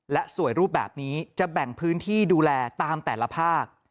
และสวยรูปแบบนี้จะแบ่งพื้นที่ดูแลตามแต่ละภาค